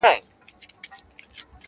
• حقيقت لا هم مبهم پاتې دی,